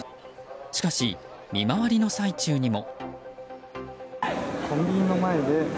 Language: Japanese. しかし、見回りの最中にも。